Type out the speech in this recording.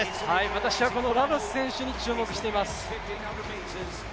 私はこのラロス選手に注目しています。